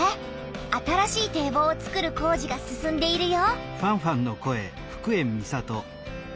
新しい堤防をつくる工事が進んでいるよ。